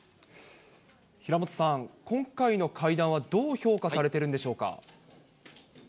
平本さん、今回の会談はどう評価されているんでしょうか。